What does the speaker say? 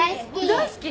大好き？